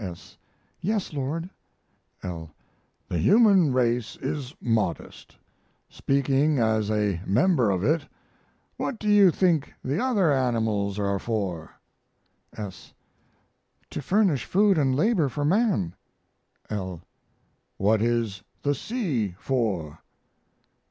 S. Yes, Lord. L. The human race is modest. Speaking as a member of it, what do you think the other animals are for? S. To furnish food and labor for man. L. What is the sea for?